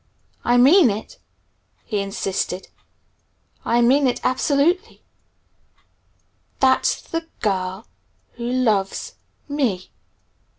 "I mean it!" he insisted. "I mean it absolutely. That's the girl who loves me!"